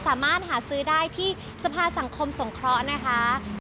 สามารถหาซื้อได้ที่สภาสังคมสงเคราะห์นะคะ